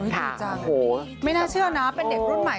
ดีจังไม่น่าเชื่อนะเป็นเด็กรุ่นใหม่